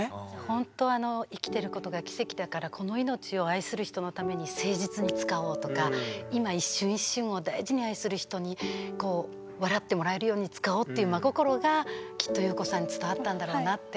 ほんとあの生きてることが奇跡だからこの命を愛する人のために誠実に使おうとか今一瞬一瞬を大事に愛する人にこう笑ってもらえるように使おうっていう真心がきっと裕子さんに伝わったんだろうなって。